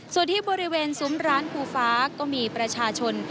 ส่วนที่บริเวณซุ้มร้านภูฟ้าก็มีประชาชน